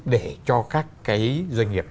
để cho các cái doanh nghiệp